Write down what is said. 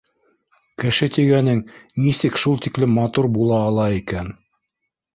Кеше тигәнең нисек шул тиклем матур була ала икән?!